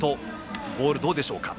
ボール、どうでしょうか？